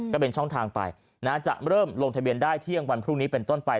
ก็เป็นช่องทางไปจะเริ่มลงทะเบียนได้เที่ยงวันพรุ่งนี้เป็นต้นไป